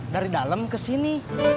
dari dalem ke sini